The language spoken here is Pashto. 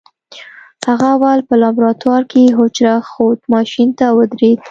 هغه اول په لابراتوار کې حجره ښود ماشين ته ودرېد.